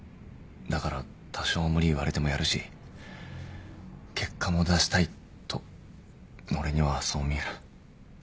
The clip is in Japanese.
だから多少無理言われてもやるし結果も出したいと俺にはそう見える。